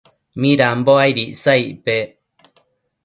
midambo aid icsa icpec ?